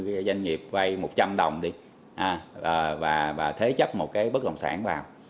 doanh nghiệp vay một trăm linh đồng đi và thế chấp một cái bất đồng sản vào